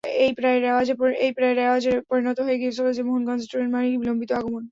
এটা প্রায় রেওয়াজে পরিণত হয়ে গিয়েছিল যে, মোহনগঞ্জের ট্রেন মানেই বিলম্বিত আগমন।